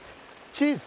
チーズ！